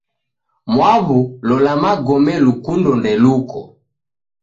Mwaw'u lola magome lukundo ndeluko